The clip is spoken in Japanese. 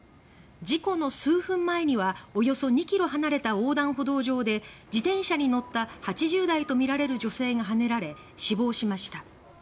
事故の数分前にはおよそ２ｋｍ離れた横断歩道上で自転車に乗った８０代とみられる女性がはねられ、死亡しました。